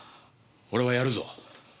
俺はやるぞ。